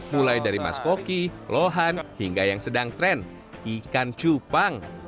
mulai dari maskoki lohan hingga yang sedang tren ikan cupang